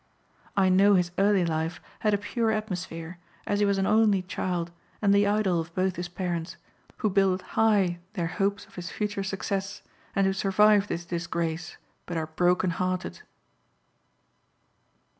I know his early life had a pure atmosphere, as he was an only child and the idol of both his parents, who builded high their hopes of his future success, and who survive this disgrace, but are broken hearted.